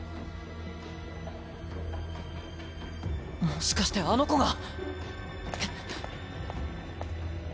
もしかしてあの子が！